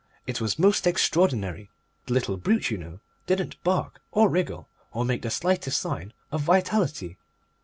It was most extraordinary. The little brute, you know, didn't bark or wriggle or make the slightest sign of vitality.